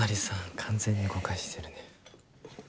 完全に誤解してるね。